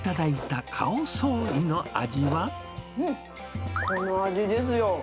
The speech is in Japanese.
うん、この味ですよ。